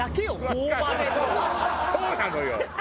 そうなのよ！